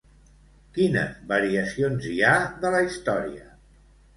Quines variacions hi ha de la història?